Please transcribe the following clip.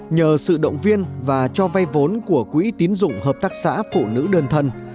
nhờ sự động viên và cho vay vốn của quỹ tín dụng hợp tác xã phụ nữ đơn thân